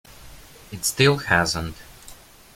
It still hasn't.